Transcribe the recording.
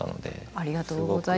ありがとうございます。